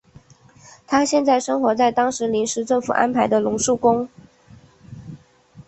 他现在生活在当时临时政府安排的龙树宫。